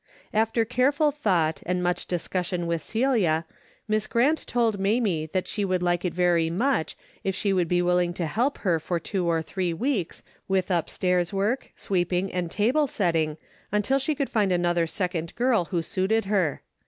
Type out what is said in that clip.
300 A DAILY RATE:^ After careful thought, and much discussion with Celia, Miss Grant told Mamie that she would like it very much, if she would be will ing to help her for two or three weeks, with upstairs work, sweeping and table setting, un til she could find another second girl who suited her.